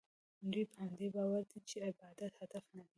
دوی په همدې باور دي چې عبادت هدف نه دی.